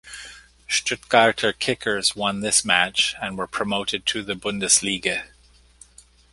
Stuttgarter Kickers won this match and were promoted to the Bundesliga.